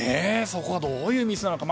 そこはどういうミスなのか。